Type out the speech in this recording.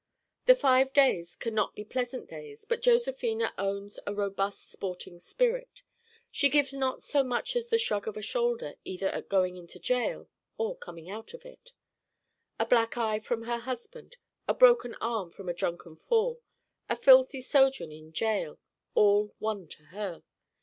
The five days can not be pleasant days but Josephina owns a robust sporting spirit. She gives not so much as the shrug of a shoulder either at going into jail or coming out of it. A black eye from her husband, a broken arm from a drunken fall, a filthy sojourn in jail: all one to her.